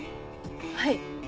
はい。